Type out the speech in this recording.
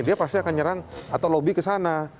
dia pasti akan nyerang atau lobby ke sana